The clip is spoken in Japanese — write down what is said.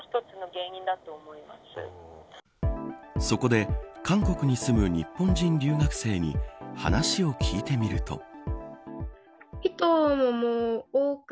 そこで韓国に住む日本人留学生に話を聞いてみると。